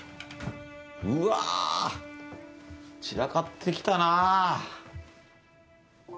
うわ散らかってきたなぁ。